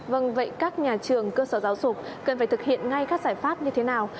vâng vậy các nhà trường cơ sở giáo dục cần phải thực hiện ngay các giải pháp như thế nào